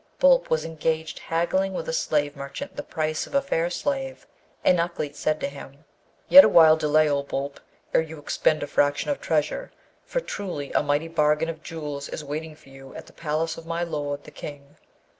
Boolp was engaged haggling with a slave merchant the price of a fair slave, and Ukleet said to him, 'Yet awhile delay, O Boolp, ere you expend a fraction of treasure, for truly a mighty bargain of jewels is waiting for you at the palace of my lord the King.